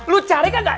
lu cari kagak